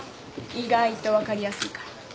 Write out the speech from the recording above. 意外と分かりやすいから。